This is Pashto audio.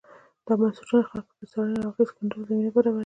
دا بنسټونه خلکو ته د څارنې او اغېز ښندلو زمینه برابروي.